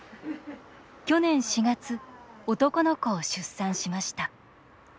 去年４月男の子を出産しました。